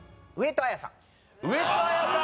上戸彩さん